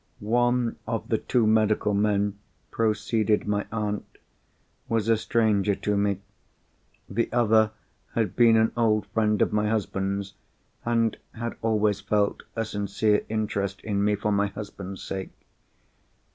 "One of the two medical men," proceeded my aunt, "was a stranger to me. The other had been an old friend of my husband's, and had always felt a sincere interest in me for my husband's sake.